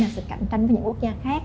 sự cạnh tranh với những quốc gia khác